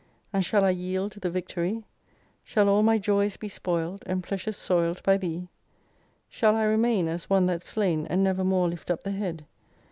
And shall I yield the victory ? Shall all my joys be spoil'd, And pleasures soU'd By thee ? Shall I remain As one that's slain And never more lift up the head